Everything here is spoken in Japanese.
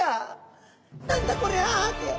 「何だ？こりゃ」って。